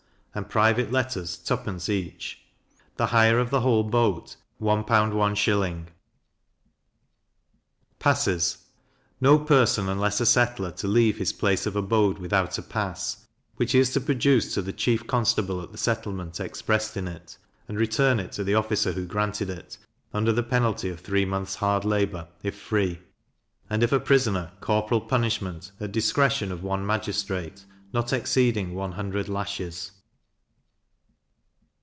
and private letters 2d. each. The hire of the whole boat 1l. 1s. Passes. No person, unless a settler, to leave his place of abode without a pass, which he is to produce to the chief constable at the settlement expressed in it, and return it to the officer who granted it, under the penalty of three months hard labour, if free; and, if a prisoner, corporal punishment, at discretion of one magistrate, not exceeding one hundred lashes.